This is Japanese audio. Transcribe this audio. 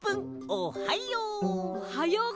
おはよう！